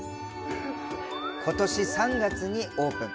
ことし３月にオープン。